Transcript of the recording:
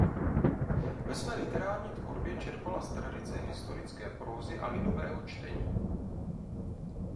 Ve své literární tvorbě čerpala z tradice historické prózy a lidového čtení.